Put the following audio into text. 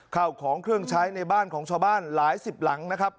เข้าของเครื่องใช้ในบ้านของชาวบ้านหลายสิบหลังนะครับ